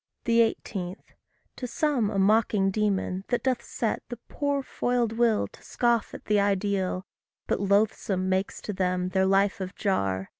18. To some a mocking demon, that doth set The poor foiled will to scoff at the ideal, But loathsome makes to them their life of jar.